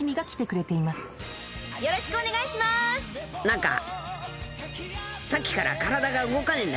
何か。